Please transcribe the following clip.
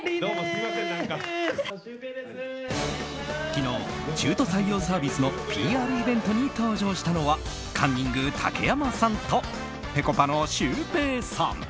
昨日、中途採用サービスのＰＲイベントに登場したのはカンニング竹山さんとぺこぱのシュウペイさん。